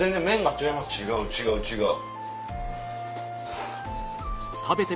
違う違う違う。